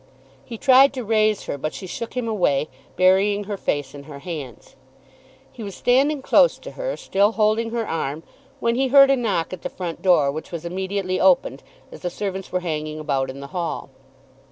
He tried to raise her, but she shook him away, burying her face in her hands. He was standing close to her, still holding her arm, when he heard a knock at the front door, which was immediately opened, as the servants were hanging about in the hall.